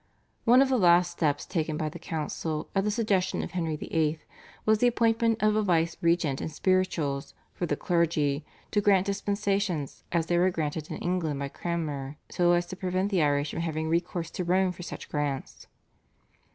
One of the last steps taken by the council at the suggestion of Henry VIII. was the appointment of a vice regent in spirituals for the clergy, to grant dispensations as they were granted in England by Cranmer, so as to prevent the Irish from having recourse to Rome for such grants.